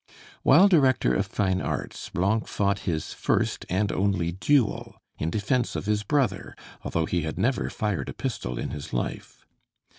While Director of Fine Arts, Blanc fought his first and only duel, in defence of his brother, although he had never fired a pistol in his life.